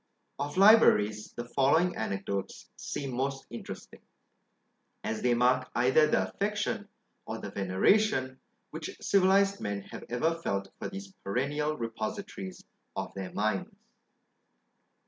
Of LIBRARIES, the following anecdotes seem most interesting, as they mark either the affection, or the veneration, which civilised men have ever felt for these perennial repositories of their minds.